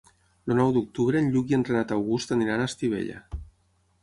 El nou d'octubre en Lluc i en Renat August aniran a Estivella.